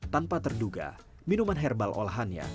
tanpa terduga minuman herbal olahannya